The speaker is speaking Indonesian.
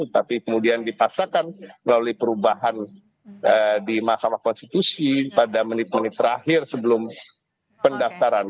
tapi kemudian dipaksakan melalui perubahan di mahkamah konstitusi pada menit menit terakhir sebelum pendaftaran